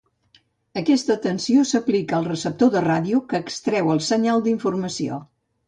Aquesta tensió s'aplica al receptor de ràdio, que extreu el senyal d'informació.